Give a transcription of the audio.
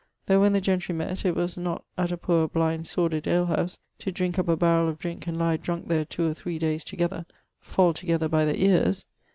Tho when the gentry mett, it was not at a poor blind sordid alehouse, to drinke up a barrell of drinke and lie drunke there two or three dayes together; fall together by the eares.